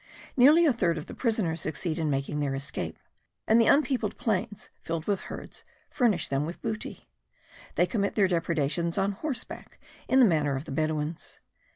Nearly a third of the prisoners succeed in making their escape; and the unpeopled plains, filled with herds, furnish them with booty. They commit their depredations on horseback in the manner of the Bedouins.